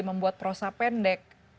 membuat prosa pendek